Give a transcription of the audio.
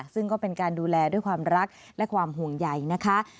ซึ่งก็เป็นการดูแลด้วยความรักและความห่วงใหญ่นะคะ